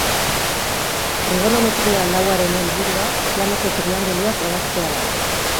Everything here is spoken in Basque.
Trigonometria lauaren helburua, planoko triangeluak ebaztea da.